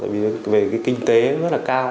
vì về cái kinh tế rất là cao